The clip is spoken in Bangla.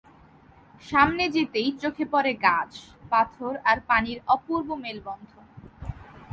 সামনে যেতেই চোখে পড়ে গাছ, পাথর আর পানির অপূর্ব মেলবন্ধন।